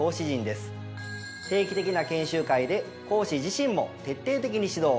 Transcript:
定期的な研修会で講師自身も徹底的に指導。